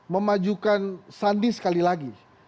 memajukan sandi sekali lagi